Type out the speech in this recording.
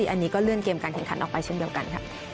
อันนี้ก็เลื่อนเกมการแข่งขันออกไปเช่นเดียวกันค่ะ